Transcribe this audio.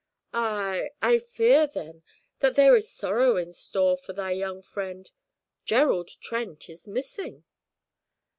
'I I fear, then, that there is sorrow in store for thy young friend. Gerald Trent is missing.'